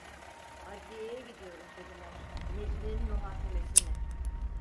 "Adliyeye gidiyoruz" dediler, "Necmi'nin muhakemesine."